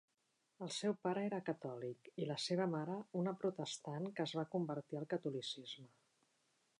El seu pare era catòlic i la seva mare una protestant que es va convertir al catolicisme.